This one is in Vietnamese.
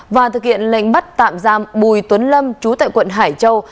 và thực hiện lệnh bắt tạm giam bùi tuấn lâm chú tại quận hải châu